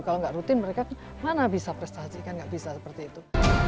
kalau enggak rutin mereka mana bisa prestasikan enggak bisa seperti itu